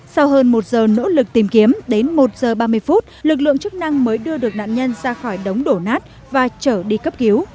sau hơn một giờ nỗ lực tìm kiếm đến một giờ ba mươi phút lực lượng chức năng mới đưa được nạn nhân ra khỏi đống đổ nát và trở đi cấp cứu